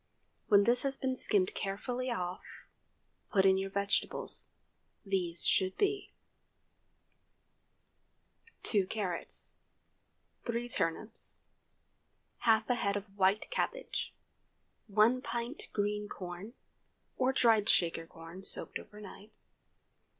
When this has been skimmed carefully off, put in your vegetables. These should be:— 2 carrots. 3 turnips. Half a head of white cabbage. 1 pt. green corn—or dried Shaker corn, soaked over night.